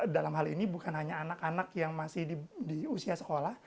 dalam hal ini bukan hanya anak anak yang masih di usia sekolah